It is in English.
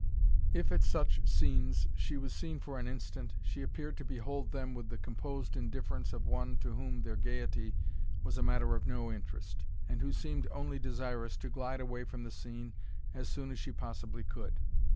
If at such scenes she was seen for an instant, she appeared to behold them with the composed indifference of one to whom their gaiety was a matter of no interest, and who seemed only desirous to glide away from the scene as soon as she possibly could.